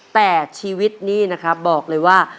แต่ชีวิตนี้นะครับบอกเลยว่า